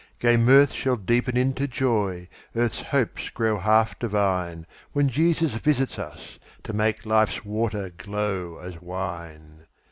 Gay mirth shall deepen into joy, Earth's hopes grow half divine, When Jesus visits us, to make Life's water glow as wine.